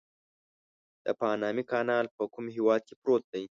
د پانامي کانال په کوم هېواد کې پروت دی؟